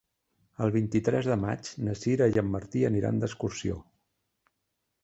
El vint-i-tres de maig na Sira i en Martí aniran d'excursió.